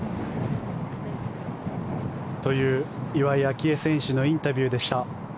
という、岩井明愛選手のインタビューでした。